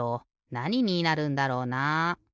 なにになるんだろうな？